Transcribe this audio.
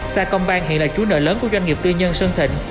sa công bang hiện là chú nợ lớn của doanh nghiệp tư nhân sơn thịnh